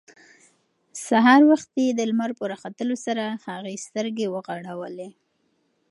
سهار وختي د لمر په راختلو سره هغې سترګې وغړولې.